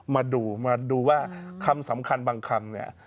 มาดูมาดูว่าคำสำคัญบางคำเนี่ย